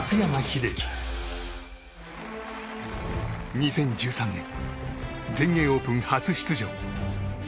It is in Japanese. ２０１３年全英オープン初出場。